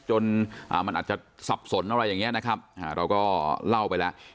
จนมันอาจจะสับสนอะไรอย่างนี้นะครับเราก็เล่าไปแล้ว